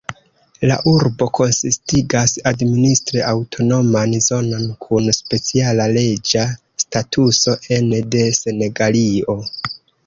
La urbo konsistigas administre aŭtonoman zonon kun speciala leĝa statuso ene de Senegalio.